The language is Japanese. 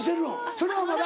それはまだ？